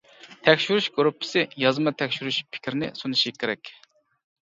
تەكشۈرۈش گۇرۇپپىسى يازما تەكشۈرۈش پىكرىنى سۇنۇشى كېرەك.